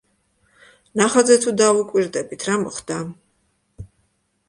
ნახატზე თუ დავუკვირდებით, რა მოხდა?